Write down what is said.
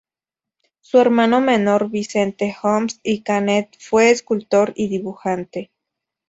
Su hermano menor Vicente Oms y Canet fue escultor y dibujante.